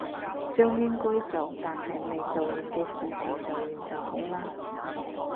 將應該做但係未做嘅事情做完就好啦